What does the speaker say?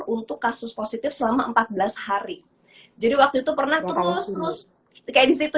untuk kasus positif selama empat belas hari jadi waktu itu pernah terus terus kayak disitu